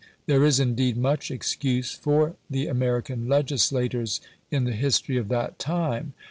There is, indeed, much excuse for the American legislators in the history of that time.